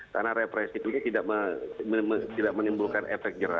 karena represif itu tidak menimbulkan efek jerat